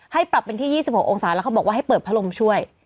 ให้ปรับเป็นที่๒๖องศาแล้วเขาบอกว่าให้เปิดพัดลมช่วย